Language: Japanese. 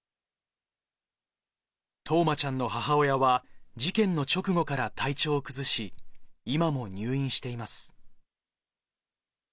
冬生ちゃんの母親は事件の直後から体調を崩し、今も入院しています。